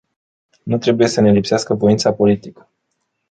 Nu trebuie să ne lipsească voința politică.